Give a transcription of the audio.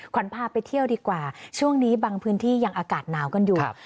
ขวัญพาไปเที่ยวดีกว่าช่วงนี้บางพื้นที่ยังอากาศหนาวกันอยู่